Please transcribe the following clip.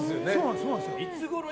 いつごろ